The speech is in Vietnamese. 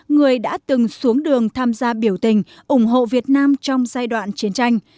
người đã từng xuống đường tham gia biểu tình ủng hộ việt nam trong giai đoạn chiến tranh